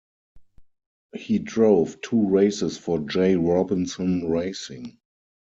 He drove two races for Jay Robinson Racing.